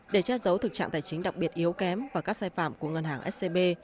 để che giấu thực trạng tài chính đặc biệt yếu kém và các sai phạm của ngân hàng scb